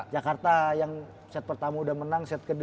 jakarta yang set pertama udah menang set kedua